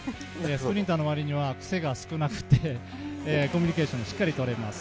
スプリンターの割には癖が少なくて、コミュニケーションもしっかりとれます。